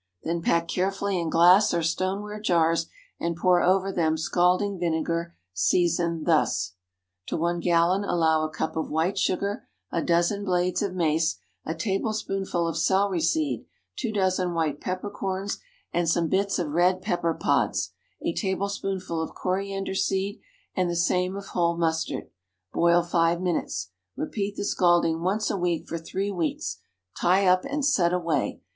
Then pack carefully in glass or stoneware jars, and pour over them scalding vinegar seasoned thus: To one gallon allow a cup of white sugar, a dozen blades of mace, a tablespoonful of celery seed, two dozen white peppercorns and some bits of red pepper pods, a tablespoonful of coriander seed, and the same of whole mustard. Boil five minutes. Repeat the scalding once a week for three weeks; tie up and set away.